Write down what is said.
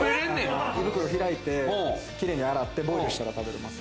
胃袋を開いて、綺麗に洗ってボイルしたら食べれます。